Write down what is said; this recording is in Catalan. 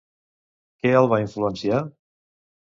Què el va influenciar?